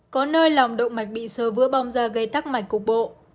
có nơi lòng động mạch bị sơ vứa bong ra gây tắc mạch cục bộ